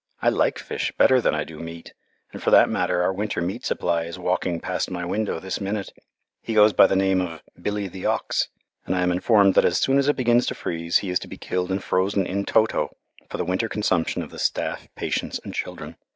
I like fish better than I do meat, and for that matter our winter meat supply is walking past my window this minute. He goes by the name of "Billy the Ox"; and I am informed that as soon as it begins to freeze, he is to be killed and frozen in toto, for the winter consumption of the staff, patients, and children.